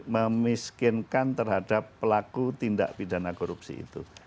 memiskinkan terhadap pelaku tindak pidana korupsi itu